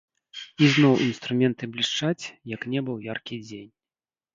І зноў інструменты блішчаць, як неба ў яркі дзень.